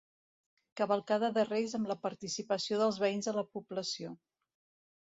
Cavalcada de reis amb la participació dels veïns de la població.